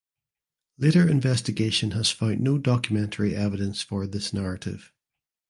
Later investigation has found no documentary evidence for this narrative.